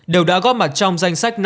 đều đã góp mặt trong danh sách